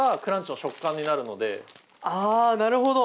あなるほど！